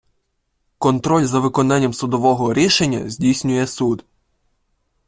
Контроль за виконанням судового рішення здійснює суд.